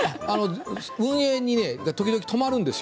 運営にね止まるんですよ